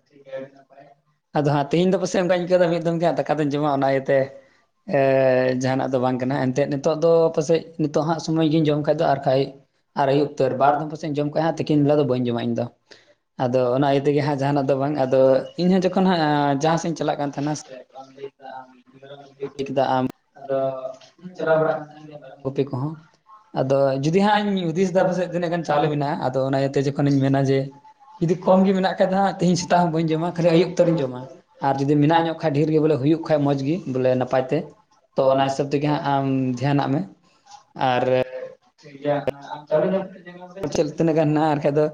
[inaudible] ᱟᱫᱚ ᱦᱟᱸᱜ ᱛᱮᱦᱮᱧ ᱫᱚ ᱯᱟᱥᱮᱱ ᱚᱱᱠᱟᱧ ᱟᱹᱭᱠᱟᱹᱣ ᱫᱟ ᱢᱤᱫ ᱫᱚᱢ ᱜᱮ ᱦᱟᱸᱜ ᱫᱟᱠᱟ ᱫᱚᱧ ᱡᱚᱢᱟ ᱚᱱᱟ ᱤᱭᱟᱹᱛᱮ ᱮ ᱡᱟᱦᱟᱱᱟᱜ ᱫᱚ ᱵᱟᱝ ᱠᱟᱱᱟ ᱮᱱᱛᱮᱫ ᱱᱤᱛᱚᱜ ᱫᱚ ᱯᱟᱥᱮᱡ ᱱᱤᱛᱚᱜ ᱦᱟᱜ ᱥᱚᱢᱚᱭ ᱜᱤᱧ ᱡᱚᱢ ᱠᱷᱟᱡ ᱫᱚ ᱟᱨ ᱠᱷᱟᱡ ᱟᱨ ᱟᱹᱭᱩᱵ ᱩᱛᱟᱹᱨ ᱵᱟᱨ ᱫᱚᱢ ᱯᱟᱥᱮᱧ ᱡᱚᱢ ᱠᱟᱜᱼᱟ ᱛᱤᱠᱤᱱ ᱵᱮᱞᱟ ᱫᱚ ᱵᱟᱹᱧ ᱡᱚᱢᱟ ᱤᱧᱫᱚ ᱟᱫᱚ ᱚᱱᱟ ᱤᱭᱟᱹ ᱛᱮᱜᱮ ᱦᱟᱜ ᱡᱟᱦᱟᱱᱟᱜ ᱟᱫᱚ ᱵᱟᱝ ᱟᱫᱚ ᱤᱧ ᱦᱚᱸ ᱡᱚᱠᱷᱚᱱ ᱦᱟᱸᱜ ᱡᱟᱦᱟᱸ ᱥᱮᱫ ᱤᱧ ᱪᱟᱞᱟᱜ ᱠᱟᱱ ᱛᱟᱦᱮᱱᱟ [inaudible] [unintelligible] ᱫᱚ ᱟᱢ ᱟᱫᱚ ᱤᱧ ᱪᱟᱞᱟᱣ ᱵᱟᱲᱟᱜ ᱠᱟᱱ ᱛᱟᱦᱮᱱᱟ ᱢᱮᱨᱚᱢ ᱜᱩᱯᱤ ᱠᱚᱯᱤ ᱠᱚᱦᱚᱸ ᱠᱚᱸᱦᱚ ᱟᱫᱚ ᱡᱩᱫᱤ ᱦᱟᱸᱜ ᱤᱧ ᱦᱩᱫᱤᱥ ᱫᱟ ᱯᱟᱥᱮᱡ ᱛᱤᱱᱟᱹᱜ ᱜᱟᱱ ᱪᱟᱣᱞᱮ ᱢᱮᱱᱟᱜᱼᱟ ᱟᱫᱚ ᱚᱱᱟ ᱤᱭᱟᱹᱛᱮ ᱡᱚᱠᱷᱚᱱ ᱤᱧ ᱢᱮᱱᱟ ᱡᱮ ᱡᱩᱫᱤ ᱠᱚᱢ ᱜᱮ ᱢᱮᱱᱟᱜ ᱠᱷᱟᱡ ᱫᱚ ᱦᱟᱸᱜ ᱛᱮᱦᱮᱧ ᱥᱮᱛᱟᱜ ᱦᱚᱸ ᱵᱟᱹᱧ ᱡᱚᱢᱟ ᱠᱷᱟᱹᱞᱤ ᱟᱭᱩᱵ ᱛᱮᱫ ᱤᱧ ᱡᱚᱢᱟ ᱟᱨ ᱡᱩᱫᱤ ᱢᱮᱱᱟᱜ ᱧᱚᱜ ᱠᱷᱟᱡ ᱰᱷᱮᱨ ᱜᱮ ᱵᱚᱞᱮ ᱦᱩᱭᱩᱜ ᱠᱷᱟᱡ ᱢᱚᱡᱽ ᱜᱮ ᱵᱚᱞᱮ ᱱᱟᱯᱟᱭ ᱛᱮ ᱛᱚ ᱚᱱᱟ ᱦᱤᱥᱟᱹᱵ ᱛᱮᱜᱮ ᱦᱟᱸᱜ ᱟᱢ ᱫᱷᱮᱭᱟᱱᱟᱜ ᱢᱮ ᱟᱨ ᱴᱷᱤᱠ ᱜᱮᱭᱟ ᱦᱟᱸᱜ [inaudible] ᱪᱮᱫ ᱛᱤᱱᱟᱹᱜ ᱜᱟᱱ ᱢᱮᱱᱟᱜᱼᱟ ᱟᱨ ᱠᱟᱷᱡ ᱫᱚ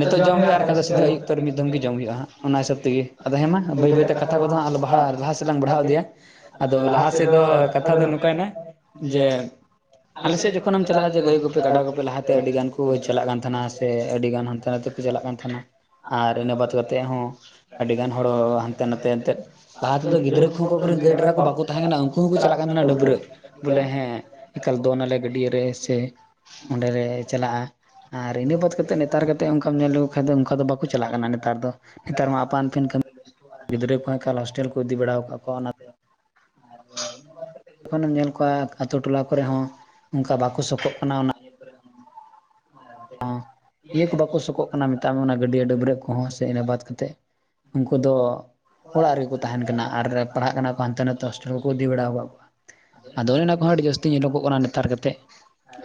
ᱱᱤᱛᱚᱜ ᱡᱚᱢ ᱦᱩᱭᱩᱜᱼᱟ ᱟᱨ ᱠᱷᱟᱡ ᱫᱚ ᱥᱤᱫᱟ ᱟᱹᱭᱩᱵ ᱩᱛᱟᱹᱨ ᱢᱤᱫ ᱫᱚᱢ ᱜᱮ ᱡᱚᱢ ᱦᱩᱭᱩᱜᱼᱟ ᱦᱟᱸᱜ ᱚᱱᱟ ᱦᱤᱥᱟᱹᱵ ᱛᱮᱜᱮ ᱟᱫᱚ ᱦᱮᱸ ᱢᱟ ᱵᱟᱹᱭ ᱵᱟᱹᱭᱛᱮ ᱠᱟᱛᱷᱟ ᱠᱚᱫᱚ ᱦᱟᱸᱜ [unintelligible] ᱞᱟᱦᱟ ᱥᱮᱫ ᱞᱟᱝ ᱵᱟᱲᱦᱟᱣ ᱤᱫᱤᱭᱟ ᱟᱫᱚ ᱞᱟᱦᱟ ᱥᱮᱫ ᱫᱚ ᱠᱟᱛᱷᱟ ᱫᱚ ᱱᱚᱝᱠᱟᱭ ᱱᱟ ᱡᱮ ᱟᱞᱮ ᱥᱮᱫ ᱡᱚᱠᱷᱚᱱ ᱮᱢ ᱪᱟᱞᱟᱜᱼᱟ ᱡᱮ ᱜᱟᱹᱭ ᱜᱩᱯᱤ ᱠᱟᱰᱟ ᱜᱩᱯᱤ ᱞᱟᱦᱟ ᱛᱮ ᱟᱹᱰᱤ ᱜᱟᱱ ᱠᱚ ᱪᱟᱞᱟᱜ ᱠᱟᱱ ᱛᱟᱦᱮᱱᱟ ᱥᱮ ᱟᱹᱰᱤ ᱜᱟᱱ ᱦᱟᱱᱛᱮ ᱱᱟᱛᱮ ᱠᱚ ᱪᱟᱞᱟᱜ ᱠᱟᱱ ᱛᱟᱦᱮᱱᱟ ᱟᱨ ᱤᱱᱟᱹ ᱵᱟᱫ ᱠᱟᱛᱮ ᱦᱚᱸ ᱟᱹᱰᱤ ᱜᱟᱱ ᱦᱚᱲᱚ ᱦᱟᱱᱛᱮ ᱱᱟᱛᱮ ᱮᱱᱛᱮᱫ ᱞᱟᱦᱟ ᱛᱮᱫᱚ ᱜᱤᱫᱽᱨᱟᱹ ᱩᱱᱠᱩ ᱚᱠᱚᱭ ᱠᱚᱨᱮᱱ ᱜᱟᱹᱭ ᱰᱮᱨᱟ ᱠᱚ ᱵᱟᱠᱚ ᱛᱟᱦᱮᱸ ᱠᱟᱱᱟ ᱩᱱᱠᱩ ᱦᱚᱸᱠᱚ ᱪᱟᱞᱟᱜ ᱠᱟᱱ ᱛᱟᱦᱮᱱᱟ ᱰᱟᱹᱵᱽᱨᱟᱹᱜ ᱵᱚᱞᱮ ᱦᱮᱸ ᱮᱠᱟᱞ ᱫᱚᱱ ᱟᱞᱮ ᱜᱟᱹᱰᱭᱟᱹ ᱨᱮ ᱥᱮ ᱚᱸᱰᱮ ᱨᱮ ᱪᱟᱞᱟᱜᱼᱟ ᱟᱨ ᱤᱱᱟᱹ ᱵᱟᱫ ᱠᱟᱛᱮᱫ ᱱᱮᱛᱟᱨ ᱜᱟᱛᱮ ᱚᱱᱠᱟᱢ ᱧᱮᱞ ᱞᱮᱠᱚ ᱠᱷᱟᱡ ᱫᱚ ᱚᱱᱠᱟ ᱫᱚ ᱵᱟᱠᱚ ᱠᱚ ᱪᱟᱞᱟᱜ ᱠᱟᱱᱟ ᱱᱮᱛᱟᱨ ᱫᱚ ᱱᱮᱛᱟᱨ ᱢᱟ ᱟᱯᱟᱱ ᱟᱹᱯᱤᱱ ᱠᱟᱹᱢᱤ ᱜᱤᱫᱽᱨᱟᱹ ᱠᱚ ᱮᱠᱟᱞ ᱦᱳᱥᱴᱮᱞ ᱠᱚ ᱤᱫᱤ ᱵᱟᱲᱟ ᱟᱠᱟᱫ ᱟᱨ ᱠᱚᱣᱟ ᱚᱱᱟ [inaudible] ᱡᱚᱠᱷᱚᱱ ᱮᱢ ᱧᱮᱞ ᱠᱚᱣᱟ ᱟᱛᱳ ᱴᱚᱞᱟ ᱠᱚᱨᱮ ᱦᱚᱸ ᱚᱱᱠᱟ ᱵᱟᱠᱚ ᱥᱚᱠᱚᱜ ᱠᱟᱱᱟ ᱚᱱᱟ ᱦᱚᱸ ᱤᱭᱟᱹ ᱠᱚ ᱵᱟᱠᱚ ᱥᱚᱠᱚᱜ ᱠᱟᱱᱟ ᱢᱮᱛᱟᱜ ᱢᱮ ᱚᱱᱟ ᱜᱟᱹᱰᱭᱟᱹ ᱰᱟᱹᱵᱽᱨᱟᱹᱜ ᱠᱚᱦᱚᱸ ᱥᱮ ᱤᱱᱟᱹ ᱵᱟᱫ ᱠᱟᱛᱮᱫ ᱩᱱᱠᱩ ᱫᱚ ᱚᱲᱟᱜ ᱨᱮᱠᱚ ᱛᱟᱦᱮᱱ ᱠᱟᱱᱟ ᱟᱨ ᱯᱟᱲᱦᱟᱜ ᱠᱟᱱᱟ ᱠᱚ ᱦᱟᱱᱛᱮ ᱱᱟᱛᱮ ᱦᱳᱥᱴᱮᱞ ᱠᱚ ᱤᱫᱤ ᱵᱟᱲᱟ ᱟᱠᱟᱫ ᱠᱚᱣᱟ ᱟᱫᱚ ᱚᱱᱮ ᱚᱱᱟ ᱠᱚᱦᱚᱸ ᱟᱹᱰᱤ ᱡᱟᱹᱥᱛᱤ ᱧᱮᱞᱚᱜᱚᱜ ᱠᱟᱱᱟ ᱱᱮᱛᱟᱨ ᱜᱟᱛᱮᱫ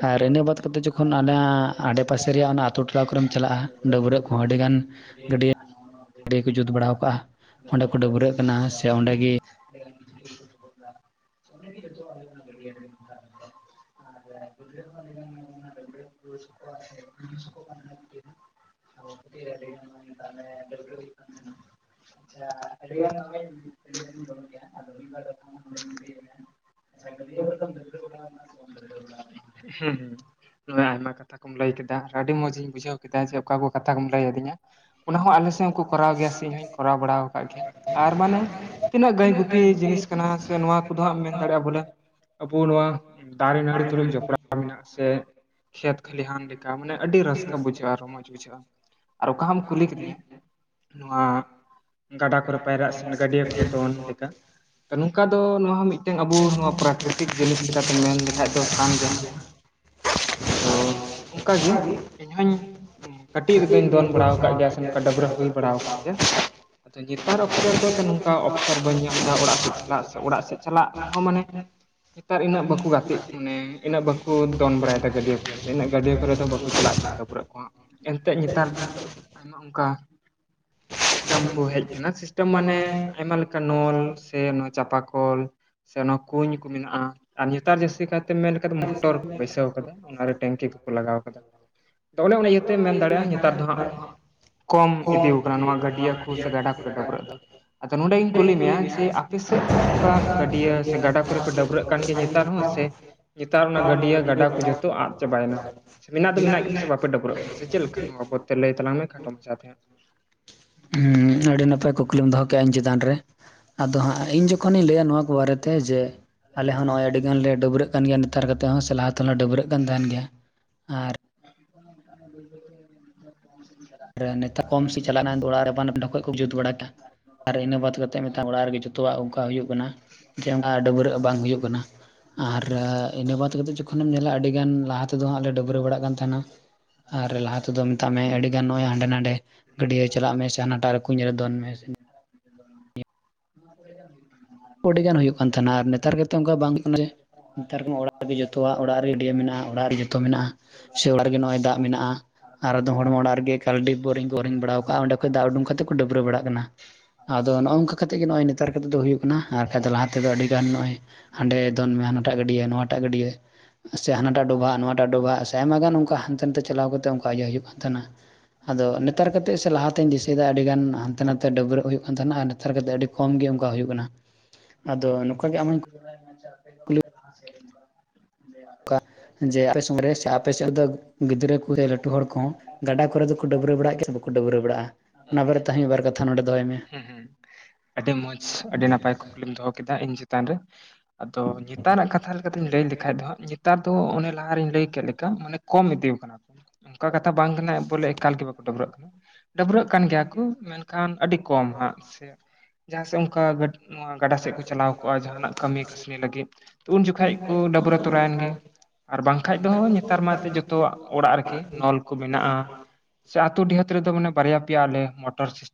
ᱟᱨ ᱤᱱᱟᱹ ᱵᱟᱫ ᱠᱟᱛᱮ ᱡᱚᱠᱷᱚᱱ ᱦᱟᱱᱟ ᱟᱰᱮ ᱯᱟᱥᱮ ᱨᱮᱭᱟᱜ ᱚᱱᱟ ᱟᱹᱛᱩ ᱴᱚᱞᱟ ᱠᱚᱨᱮᱧ ᱪᱟᱞᱟᱜᱼᱟ ᱰᱟᱹᱵᱽᱨᱟᱹᱜ ᱠᱚ ᱟᱹᱰᱤᱜᱟᱱ ᱟᱹᱰᱤ [inaudible] ᱜᱟᱹᱰᱮ ᱠᱚ ᱡᱩᱛ ᱵᱟᱲᱟ ᱠᱟᱜᱼᱟ ᱚᱸᱰᱮ ᱠᱚ ᱰᱟᱹᱵᱨᱟᱹᱜ ᱠᱟᱱᱟ ᱥᱮ ᱚᱸᱰᱮ ᱜᱮ ᱦᱮ [inaudible] [unintelligible] [unintelligible] [inaudible] ᱟᱪᱪᱷᱟ ᱟᱹᱰᱤᱜᱟᱱ [unintelligible] [inaudible] ᱦᱩ ᱱᱚᱜᱼ ᱚᱭ ᱟᱭᱢᱟ ᱠᱟᱛᱷᱟ ᱠᱚᱢ ᱞᱟᱹᱭ ᱠᱮᱫᱟ ᱟᱹᱰᱤ ᱢᱚᱸᱡ ᱤᱧ ᱵᱩᱡᱷᱟᱹᱣ ᱠᱮᱫᱟ ᱡᱮ ᱚᱠᱟ ᱠᱚ ᱠᱟᱛᱷᱟ ᱠᱚᱢ ᱞᱟᱹᱭ ᱟᱹᱫᱤᱧᱟ ᱚᱱᱟ ᱦᱚᱸ ᱟᱞᱮ ᱥᱮᱱ ᱠᱩ ᱠᱚᱨᱟᱣ ᱜᱮᱭᱟ ᱥᱮ ᱤᱧ ᱦᱚᱸᱧ ᱠᱚᱨᱟᱣ ᱵᱟᱲᱟ ᱠᱟᱫ ᱜᱮᱭᱟ ᱟᱨ ᱢᱟᱱᱮ ᱛᱤᱱᱟᱹᱜ ᱜᱟᱹᱭ ᱜᱩᱯᱤ ᱡᱤᱱᱤᱥ ᱠᱟᱱᱟ ᱥᱮ ᱱᱚᱣᱟ ᱠᱚᱫᱚ ᱦᱟᱸᱜ ᱢᱮᱱ ᱫᱟᱲᱮᱭᱟᱜᱼᱟ ᱵᱚᱞᱮ ᱟᱵᱚ ᱱᱚᱣᱟ ᱫᱟᱨᱮ ᱱᱟᱹᱲᱤ ᱛᱩᱞᱩᱡ ᱡᱚᱯᱲᱟᱣ ᱢᱮᱱᱟᱜ ᱟᱥᱮ ᱠᱷᱮᱛ ᱠᱷᱟᱹᱞᱤᱦᱟᱱ ᱞᱮᱠᱟ ᱢᱟᱱᱮ ᱟᱹᱰᱤ ᱨᱟᱹᱥᱠᱟᱹ ᱵᱩᱡᱷᱟᱹᱜᱼᱟ ᱨᱚᱢᱚᱡᱽ ᱵᱩᱡᱷᱟᱹᱜᱼᱟ ᱟᱨ ᱚᱠᱟ ᱦᱟᱢ ᱠᱩᱞᱤ ᱠᱤᱫᱤᱧᱟ᱾ ᱱᱚᱣᱟ ᱜᱟᱰᱟ ᱠᱚᱨᱮᱜ ᱯᱟᱭᱨᱟᱜ ᱥᱮ ᱜᱟᱹᱰᱭᱟᱹ ᱠᱚᱨᱮ ᱫᱚᱱ ᱞᱮᱠᱟ ᱚ ᱱᱚᱝᱠᱟ ᱫᱚ ᱱᱚᱣᱟ ᱦᱚᱸ ᱢᱤᱫᱴᱮᱱ ᱢᱤᱫᱴᱮᱱ ᱟᱵᱚ ᱱᱚᱣᱟ ᱯᱨᱟᱠᱨᱤᱛᱤᱠ ᱡᱤᱱᱤᱥ ᱞᱮᱠᱟᱛᱮ ᱢᱮᱱ ᱞᱮᱠᱷᱟᱡ ᱫᱚ ᱠᱟᱱ ᱜᱮᱭᱟ ᱦᱟᱸᱜ᱾ ᱟᱫᱚ ᱚᱱᱠᱟᱜᱮ ᱤᱧᱦᱚᱧ ᱠᱟᱹᱴᱤᱡ ᱨᱮᱫᱩᱧ ᱫᱚᱱ ᱵᱟᱲᱟᱣ ᱠᱟᱜ ᱜᱮᱭᱟ ᱥᱮ ᱱᱚᱠᱟ ᱰᱟᱹᱵᱽᱨᱟᱹ ᱦᱩᱭ ᱵᱟᱲᱟᱣ ᱠᱟᱱ ᱜᱮᱭᱟ᱾ ᱟᱫᱚ ᱱᱮᱛᱟᱨ ᱚᱠᱛᱮ ᱨᱮᱫᱚ ᱱᱚᱝᱠᱟ ᱚᱯᱥᱚᱨ ᱵᱟ, ᱧ ᱧᱟᱢ ᱫᱟ ᱚᱲᱟᱜ ᱥᱮᱫ ᱪᱟᱞᱟᱜ ᱥᱮ ᱚᱲᱟᱜ ᱥᱮᱫ ᱪᱟᱞᱟᱜ ᱨᱮᱦᱚᱸ ᱢᱟᱱᱮ ᱱᱮᱛᱟᱨ ᱤᱱᱟᱹᱜ ᱵᱟᱠᱚ ᱜᱟᱛᱮᱜ ᱢᱟᱱᱮ ᱩᱱᱟᱹᱜ ᱵᱟᱠᱚ ᱠᱚ ᱫᱚᱱ ᱵᱟᱲᱟᱭᱮᱫ ᱜᱟᱰᱭᱟᱹ ᱠᱚᱨᱮ ᱥᱮ ᱤᱱᱟᱹᱜ ᱜᱟᱹᱰᱤᱭᱟᱹ ᱠᱚᱨᱮ ᱫᱚ ᱵᱟᱠᱚ ᱪᱟᱞᱟᱜ ᱠᱟᱱᱟ ᱰᱟᱹᱵᱨᱟᱹᱜ ᱠᱚᱦᱟᱜ᱾ ᱮᱱᱛᱮᱫ ᱱᱮᱛᱟᱨ ᱫᱚ ᱟᱭᱢᱟ ᱚᱱᱠᱟ ᱥᱤᱥᱴᱮᱢ ᱠᱚ ᱦᱮᱡ ᱠᱟᱱᱟ ᱥᱤᱥᱴᱮᱢ ᱢᱟᱱᱮ ᱟᱭᱢᱟ ᱞᱮᱠᱟᱱ ᱱᱚᱞ ᱥᱮ ᱱᱚᱣᱟ ᱪᱟᱯᱟ ᱠᱚᱞ ᱥᱮ ᱚᱱᱟ ᱠᱩᱧ ᱠᱚ ᱢᱮᱱᱟᱜᱼᱟ᱾ ᱟᱨ ᱱᱮᱛᱟᱨ ᱡᱟᱹᱥᱛᱤ ᱠᱟᱭᱛᱮᱢ ᱢᱮᱱᱮᱠᱷᱟᱡ ᱫᱚ ᱢᱚᱴᱚᱨ ᱠᱚ ᱵᱟᱹᱭᱥᱟᱹᱣ ᱟᱠᱟᱫᱟ ᱚᱱᱟᱨᱮ ᱴᱮᱝᱠᱤ ᱠᱚᱠᱚ ᱞᱟᱜᱟᱣ ᱟᱠᱟᱫᱟ᱾ ᱟᱫᱚ ᱚᱱᱮ ᱚᱱᱟ ᱤᱭᱟᱹᱛᱮᱢ ᱢᱮᱱ ᱫᱟᱲᱮᱭᱟᱜᱼᱟ ᱱᱮᱛᱟᱨ ᱫᱚ ᱦᱟᱸᱜ ᱠᱚᱢ ᱤᱫᱤᱠᱟᱱᱟ ᱱᱚᱣᱟ ᱜᱟᱹᱰᱭᱟᱹ ᱠᱚ ᱥᱮ ᱜᱟᱰᱟ ᱠᱚᱨᱮ ᱰᱟᱹᱵᱨᱟᱹᱜ ᱫᱚ ᱟᱫᱚ ᱱᱚᱰᱮ ᱜᱤᱧ ᱠᱩᱞᱤ ᱢᱮᱭᱟ ᱡᱮ ᱟᱯᱮᱥᱮᱫ ᱱᱚᱝᱠᱟ ᱜᱟᱹᱰᱭᱟᱹ ᱥᱮ ᱜᱟᱰᱟ ᱠᱚᱨᱮ ᱯᱮ ᱰᱟᱹᱵᱽᱨᱟᱹᱜ ᱠᱟᱱ ᱜᱮᱭᱟ ᱱᱮᱛᱟᱨ ᱦᱚᱸ᱾ ᱥᱮ ᱦ [unintelligible] ᱱᱮᱛᱟᱨ ᱚᱱᱟ ᱜᱟᱹᱰᱭᱟᱹ ᱜᱟᱰᱟ ᱠᱚ ᱡᱚᱛᱚ ᱟᱫ ᱪᱟᱵᱟᱭᱮᱱᱟ ᱥᱮ ᱢᱮᱱᱟᱜ ᱫᱚ ᱢᱮᱱᱟᱜ ᱜᱮᱭᱟ ᱥᱮ ᱵᱟᱯᱮ ᱰᱟᱹᱵᱽᱨᱟᱹᱜ ᱠᱟᱱᱟ ᱥᱮ ᱪᱮᱫ ᱞᱮᱠᱟ ᱱᱚᱣᱟ ᱵᱚ ᱛᱮ ᱞᱟᱹᱭ ᱛᱟᱞᱟ ᱢᱮ ᱠᱷᱟᱴᱚ ᱢᱟᱪᱷᱟᱛᱮ ᱦᱟᱜ ᱦᱮᱸ ᱟᱹᱰᱤ ᱱᱟᱯᱟᱭ ᱠᱩᱠᱞᱤᱢ ᱫᱚᱦᱚ ᱠᱮᱜᱼᱟ ᱤᱧ ᱪᱮᱛᱟᱱ ᱨᱮ᱾ ᱟᱫᱚ ᱦᱟᱸᱜ ᱤᱧ ᱡᱚᱠᱷᱚᱱᱤᱧ ᱞᱟᱹᱭᱟ ᱱᱚᱣᱟ ᱠᱚ ᱵᱟᱨᱮᱛᱮ ᱡᱮ ᱟᱞᱮ ᱦᱚᱸ ᱱᱚᱜᱼᱚᱭ ᱟᱹᱰᱤ ᱜᱟᱱ ᱞᱮ ᱰᱟᱹᱵᱽᱨᱟᱹᱜ ᱠᱟᱱ ᱜᱮᱭᱟ ᱱᱮᱛᱟᱨ ᱠᱟᱛᱮᱫ ᱦᱚᱸ ᱥᱮ ᱞᱟᱦᱟ ᱛᱮᱦᱚᱸᱞᱮ ᱰᱟᱹᱵᱽᱨᱟᱹᱜ ᱠᱟᱱ ᱛᱟᱦᱮᱱ ᱜᱮᱭᱟ ᱟᱨ [unintelligible] ᱟᱨ ᱱᱮᱛᱟᱨ ᱠᱚᱢ ᱥᱮ ᱪᱟᱞᱟᱜ ᱱᱟ ᱚᱲᱟᱜ ᱨᱮ ᱟᱯᱟᱱ ᱟᱯᱤᱱ ᱰᱷᱮᱠᱚᱡ ᱠᱚ ᱡᱩᱛ ᱵᱟᱲᱟ ᱫᱟ᱾ ᱟᱨ ᱤᱱᱟᱹ ᱵᱟᱫᱽ ᱠᱟᱛᱮᱫ ᱢᱤᱫᱴᱟᱹᱝ ᱚᱲᱟᱜ ᱨᱮᱜᱮ ᱡᱚᱛᱚᱣᱟᱜ ᱚᱱᱠᱟ ᱦᱩᱭᱩᱜ ᱠᱟᱱᱟ ᱡᱮ ᱚᱱᱠᱟ ᱰᱟᱹᱵᱨᱟᱹᱜ ᱵᱟᱝ ᱦᱩᱭᱩᱜ ᱠᱟᱱᱟ᱾ ᱟᱨ ᱤᱱᱟᱹ ᱵᱟᱫᱽ ᱠᱟᱛᱮᱫ ᱡᱚᱠᱷᱚᱱᱮᱢ ᱧᱮᱞᱟ ᱟᱹᱰᱤᱜᱟᱱ ᱞᱟᱦᱟ ᱛᱮᱫᱚ ᱦᱟᱸᱜ ᱞᱮ ᱰᱟᱹᱵᱽᱨᱟᱹ ᱵᱟᱲᱟᱜ ᱠᱟᱱ ᱛᱟᱦᱮᱱᱟ ᱟᱨ ᱞᱟᱦᱟ ᱛᱮᱫᱚ ᱢᱮᱛᱟᱜ ᱢᱮ ᱟᱹᱰᱤ ᱜᱟᱱ ᱱᱚᱜ ᱚᱭ ᱦᱟᱸᱰᱮ ᱱᱟᱰᱮ ᱜᱟᱹᱰᱭᱟᱹ ᱪᱟᱞᱟᱜ ᱢᱮ ᱥᱮ ᱦᱟᱱᱟᱴᱟᱜ ᱨᱮ ᱠᱩᱸᱧ ᱨᱮ ᱫᱚᱱ ᱢᱮ᱾ [unintelligible] ᱟᱹᱰᱤᱜᱟᱱ ᱦᱩᱭᱩᱜ ᱠᱟᱱ ᱛᱟᱦᱮᱱᱟ ᱟᱨ ᱱᱮᱛᱟᱨ ᱠᱟᱛᱮ ᱚᱱᱠᱟ ᱵᱟᱝ ᱦᱩᱭᱩᱜ ᱠᱟᱱᱟ ᱡᱮ᱾ ᱱᱮᱛᱟᱨᱠᱮᱢᱟ ᱚᱲᱟᱜ ᱨᱮ ᱡᱚᱛᱚᱣᱟᱜ ᱚᱲᱟᱜ ᱨᱮ ᱰᱤᱭᱟᱹ ᱢᱮᱱᱟᱜᱼᱟ ᱚᱲᱟᱜ ᱨᱮ ᱡᱚᱛᱚ ᱢᱮᱱᱟᱜᱼᱟ ᱥᱮ ᱚᱲᱟᱜ ᱨᱮᱜᱮ ᱱᱚᱜᱼᱚᱭ ᱫᱟᱜ ᱢᱮᱱᱟᱜᱼᱟ ᱟᱨ ᱫᱚᱢ ᱦᱚᱲᱢᱟ ᱚᱲᱟᱜ ᱨᱮᱜᱮ ᱠᱟᱞᱰᱤᱯ ᱵᱳᱨᱤᱝ ᱠᱚ ᱵᱚᱨᱤᱧ ᱵᱟᱲᱟᱣ ᱠᱟᱜᱼᱟ ᱚᱸᱰᱮ ᱠᱷᱚᱡ ᱫᱟᱜ ᱩᱰᱩᱝ ᱠᱟᱛᱮ ᱠᱚ ᱰᱟᱹᱵᱽᱨᱟᱹ ᱵᱟᱲᱟᱜ ᱠᱟᱱᱟ᱾ ᱟᱫᱚ ᱱᱚᱜᱼᱚ ᱱᱚᱝᱠᱟ ᱠᱟᱛᱮᱜ ᱜᱮ ᱱᱚᱜᱼᱚᱭ ᱱᱮᱛᱟᱨ ᱠᱟᱛᱮᱫ ᱫᱚ ᱦᱩᱭᱩᱜᱼᱟ ᱟᱨᱠᱟᱹᱡ ᱫᱚ ᱞᱟᱦᱟ ᱛᱮᱫᱚ ᱟᱹᱰᱤᱜᱟᱱ ᱱᱚᱜᱼᱚᱭ ᱦᱟᱸᱰᱮ ᱫᱚᱱ ᱢᱮ ᱦᱟᱱᱟᱴᱟᱜ ᱜᱟᱹᱰᱭᱟᱹ ᱱᱚᱣᱟᱴᱟᱜ ᱜᱟᱹᱰᱭᱟᱹ᱾ ᱥᱮ ᱦᱟᱱᱟᱴᱟᱜ ᱰᱚᱵᱷᱟᱜ ᱱᱚᱣᱟᱴᱟᱜ ᱰᱚᱵᱷᱟᱜ ᱥᱮ ᱟᱭᱢᱟ ᱜᱟᱱ ᱚᱱᱠᱟ ᱦᱟᱱᱛᱮ ᱱᱟᱛᱮ ᱪᱟᱞᱟᱣ ᱠᱟᱛᱮ ᱚᱱᱠᱟ ᱤᱭᱟᱹ ᱦᱩᱭᱩᱜ ᱠᱟᱱ ᱛᱟᱦᱮᱱᱟ᱾ ᱟᱫᱚ ᱱᱮᱛᱟᱨ ᱠᱟᱛᱮᱜ ᱥᱮ ᱞᱟᱦᱟᱛᱤᱧ ᱫᱤᱥᱟᱹᱭᱮᱫᱟ ᱟᱹᱰᱤ ᱜᱟᱱ ᱦᱟᱱᱛᱮ ᱱᱟᱛᱮ ᱰᱟᱹᱵᱽᱨᱟᱹᱜ ᱦᱩᱭᱩᱜ ᱠᱟᱱ ᱛᱟᱦᱮᱱᱟ ᱟᱨ ᱦᱟᱛᱷᱟᱨ [inaudible] ᱠᱟᱛᱮ ᱟᱹᱰᱤ ᱠᱚᱢ ᱜᱮ ᱚᱱᱠᱟ ᱦᱩᱭᱩᱜ ᱠᱟᱱᱟ ᱟᱫᱚ ᱱᱚᱝᱠᱟ ᱜᱮ ᱟᱢ ᱦᱚᱧ ᱡᱮ ᱟᱯᱮ [unintelligible] ᱥᱚᱢᱚᱭ ᱥᱮ ᱟᱯᱮ ᱥᱮᱫ ᱨᱮᱫᱚ ᱜᱤᱫᱽᱨᱟᱹ ᱠᱚᱜᱮ ᱞᱟᱹᱴᱩ ᱦᱚᱲ ᱠᱚᱸᱦᱚᱸ? ᱜᱟᱰᱟ ᱠᱚᱨᱮ ᱫᱚᱠᱚ ᱰᱟᱹᱵᱽᱨᱟᱹ ᱵᱟᱲᱟᱜ ᱜᱮᱭᱟ ᱥᱮ ᱵᱟᱠᱚ ᱰᱟᱹᱵᱽᱨᱟᱹ ᱵᱟᱲᱟᱜᱼᱟ ᱚᱱᱟ ᱵᱟᱨᱮ ᱛᱮᱦᱚ ᱢᱤᱫᱵᱟᱨ ᱠᱟᱛᱷᱟ ᱱᱚᱰᱮ ᱫᱚᱦᱚᱭ ᱢᱮ᱾ ᱦᱮᱸ ᱦᱮᱸ᱾ ᱟᱹᱰᱤ ᱢᱚᱸᱡᱽ ᱟᱹᱰᱤ ᱱᱟᱯᱟᱭ ᱠᱩᱠᱞᱤᱢ ᱫᱚᱦᱚ ᱠᱮᱫᱟ ᱤᱧ ᱪᱮᱛᱟᱱ ᱨᱮ᱾ ᱟᱫᱚ ᱱᱮᱛᱟᱨᱟᱜ ᱠᱟᱛᱷᱟ ᱞᱮᱠᱟ ᱞᱮᱠᱟᱛᱮᱧ ᱞᱟᱹᱭ ᱞᱮᱠᱷᱟᱡ ᱫᱚ ᱦᱟᱸᱜ ᱱᱮᱛᱟᱨ ᱫᱚ ᱚᱱᱮ ᱞᱟᱦᱟᱨᱮᱤᱧ ᱞᱟᱹᱭ ᱞᱮᱠᱟ ᱢᱟᱱᱮ ᱠᱚᱢ ᱤᱫᱤ ᱠᱟᱱᱟ ᱠᱚ ᱚᱱᱠᱟ ᱠᱟᱛᱷᱟ ᱵᱟᱝ ᱠᱟᱱᱟ ᱵᱚᱞᱮ ᱮᱠᱟᱞ ᱜᱮ ᱵᱟᱠᱚ ᱰᱟᱹᱵᱽᱨᱟᱹᱜ ᱠᱟᱱᱟ ᱰᱟᱹᱵᱽᱟᱹᱜ ᱚᱱᱠᱟᱱ ᱜᱮᱭᱟ ᱠᱚ ᱢᱮᱱᱠᱷᱟᱱ ᱟᱹᱰᱤ ᱠᱚᱢ ᱦᱟᱜ ᱥᱮ᱾ ᱡᱟᱦᱟᱸ ᱥᱮ ᱚᱱᱠᱟ ᱱᱚᱣᱟ ᱜᱟᱰᱟ ᱥᱮᱫ ᱠᱚ ᱪᱟᱞᱟᱣ ᱠᱚᱜᱼᱟ ᱡᱟᱦᱟᱸᱱᱟᱜ ᱠᱟᱹᱢᱤ ᱠᱟᱹᱥᱱᱤ ᱞᱟᱹᱜᱤᱫ ᱩᱱ ᱡᱚᱠᱷᱟᱡ ᱠᱚ ᱰᱟᱹᱵᱽᱨᱟᱹ ᱛᱚᱨᱟᱭᱮᱱ ᱜᱮ ᱟᱨ ᱵᱟᱝᱠᱷᱟᱡ ᱡᱚ ᱱᱮᱛᱟᱨ ᱢᱟ ᱡᱚᱛᱚᱣᱟᱜ ᱚᱲᱟᱜ ᱨᱮᱜᱮ ᱱᱚᱞ ᱠᱚ ᱢᱮᱱᱟᱜᱼᱟ ᱥᱮ ᱟᱛᱳ ᱰᱤᱦᱟᱹᱛ ᱨᱮᱫᱚ ᱢᱟᱱᱮ ᱵᱟᱨᱭᱟ ᱯᱮᱭᱟ ᱟᱞᱮ ᱢᱚᱴᱚᱨ ᱥᱤᱥᱴᱮᱢ